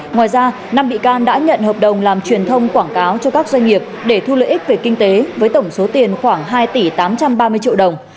ngoài ra năm bị can đã nhận hợp đồng làm truyền thông quảng cáo cho các doanh nghiệp để thu lợi ích về kinh tế với tổng số tiền khoảng hai tỷ tám trăm ba mươi triệu đồng